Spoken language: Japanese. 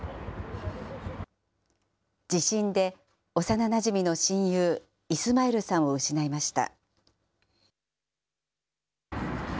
地震で幼なじみの親友、イスマイルさんを失いました。